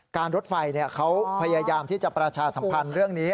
รถไฟเขาพยายามที่จะประชาสัมพันธ์เรื่องนี้